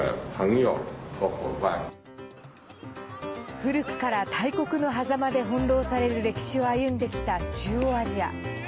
古くから大国のはざまで翻弄される歴史を歩んできた中央アジア。